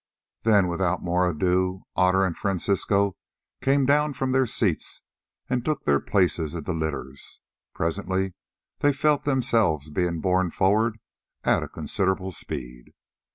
Then, without more ado, Otter and Francisco came down from their seats, and took their places in the litters. Presently they felt themselves being borne forward at a considerable speed.